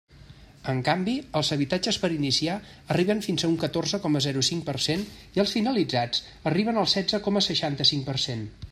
En canvi, els habitatges per iniciar arriben fins a un catorze coma zero cinc per cent i els finalitzats arriben al setze coma seixanta-cinc per cent.